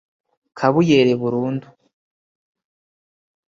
kabuyere burundu